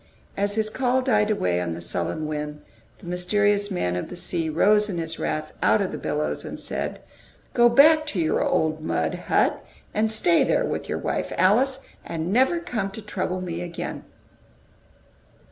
As his call died away on the sullen wind, the mysterious "Man of the Sea" rose in his wrath out of the billows, and said, "Go back to your old mud hut, and stay there with your wife Alice, and never come to trouble me again."